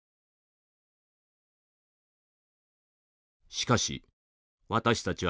しかし私たちは